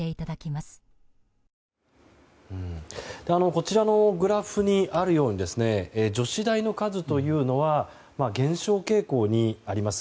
こちらのグラフにあるように女子大の数というのは減少傾向にあります。